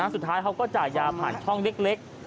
สุดท้ายเขาก็จ่ายยาผ่านช่องเล็ก